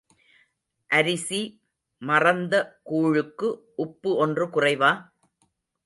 அரிசி மறந்த கூழுக்கு உப்பு ஒன்று குறைவா?